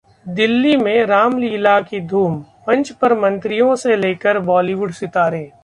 दिल्ली में रामलीला की धूम, मंच पर मंत्रियों से लेकर बॉलीवुड सितारे